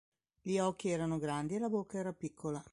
Gli occhi erano grandi e la bocca era piccola.